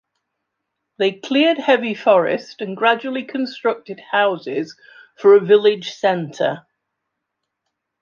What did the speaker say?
They cleared heavy forest and gradually constructed houses for a village center.